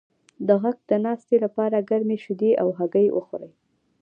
د غږ د ناستې لپاره ګرمې شیدې او هګۍ وخورئ